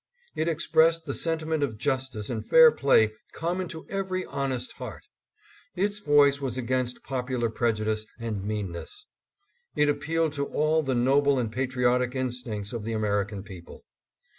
It expressed the sentiment of justice and fair play common to every honest heart. Its voice was against popular prejudice and meanness. It appealed to all the noble and patriotic instincts of the American people.